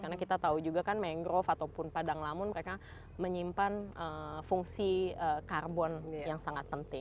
karena kita tahu juga kan mangrove ataupun padang lamun mereka menyimpan fungsi karbon yang sangat penting